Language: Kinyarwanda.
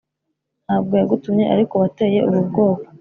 ntabwo yagutumye ariko wateye ubu bwoko